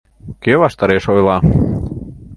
Кӧ ваштареш ойла?